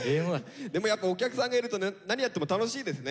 でもやっぱお客さんがいるとね何やっても楽しいですね。